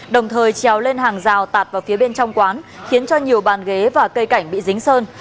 đồng thời trèo lên hàng rào tạt vào phía bên trong quán khiến cho nhiều bàn ghế và cây cảnh bị dính sơn